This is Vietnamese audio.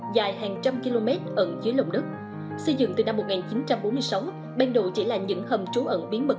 dài hàng trăm km ẩn dưới lồng đất xây dựng từ năm một nghìn chín trăm bốn mươi sáu ban đầu chỉ là những hầm trú ẩn biến mật